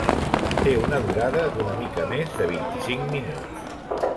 Té una durada d'una mica més de vint-i-cinc minuts.